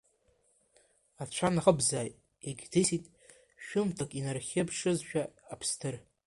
Ацәа нахыбзааит, иагьдысит, шәымҭак, инархьыԥшызшәа аԥсҭыр.